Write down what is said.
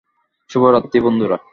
শুভ রাত্রি, বন্ধুরা।